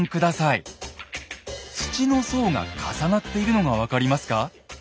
土の層が重なっているのが分かりますか？